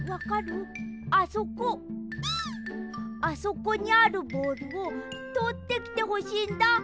あそこにあるボールをとってきてほしいんだ！